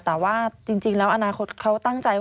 แต่ว่าจริงแล้วอนาคตเขาตั้งใจว่า